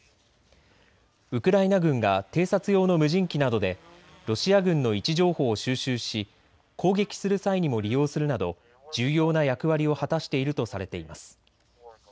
ウクライナ軍が偵察用の無人機などでロシア軍の位置情報を収集し攻撃する際にも利用するなど重要な役割を果たしているとされています。